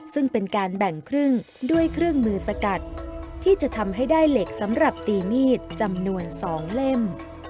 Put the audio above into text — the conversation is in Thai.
ซึ่งเป็นการแบ่งครึ่งด้วยเครื่องมือสกัดที่จะทำให้ได้เหล็กสำหรับตีมีดจำนวน๒เล่ม